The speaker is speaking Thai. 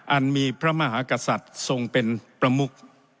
อันมีพระมหากษัตริย์ทรงเป็นประมุก